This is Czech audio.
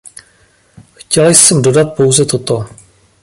Chtěla jsem dodat pouze toto.